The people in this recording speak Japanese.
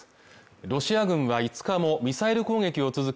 ロシア軍は５日のミサイル攻撃を続け